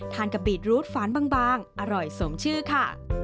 กะปิรูดฝานบางอร่อยสมชื่อค่ะ